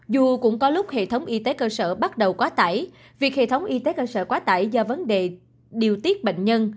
dù cũng có lúc hệ thống y tế cơ sở bắt đầu quá tải việc hệ thống y tế cơ sở quá tải do vấn đề điều tiết bệnh nhân